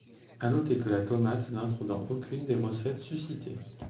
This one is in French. À noter que la tomate n'entre dans aucunes des recettes sus-citées.